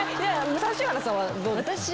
指原さんはどうですか？